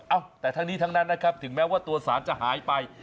เอ้าแต่ทั้งนี้ทั้งนั้นนะครับถึงแม้ว่าตัวสารจะหายไป